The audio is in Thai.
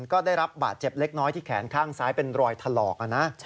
ก็ได้รับบาดเจ็บเล็กน้อยที่แขนข้างซ้ายเป็นรอยถลอกนะ